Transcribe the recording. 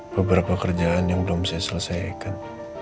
beberapa kerjaan yang belum saya selesaikan